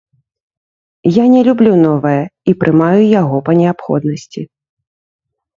Я не люблю новае і прымаю яго па неабходнасці.